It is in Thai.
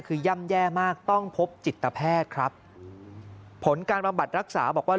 คือย่ำแย่มากต้องพบจิตแพทย์ครับผลการบำบัดรักษาบอกว่า